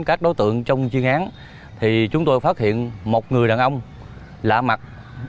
các đối tượng trong chuyên án thì chúng tôi phát hiện một người đàn ông lạ mặt